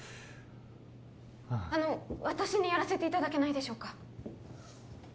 あの私にやらせていただけないでしょうか？